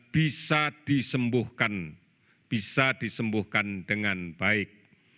bisa disembuhkan bisa disembuhkan dengan baik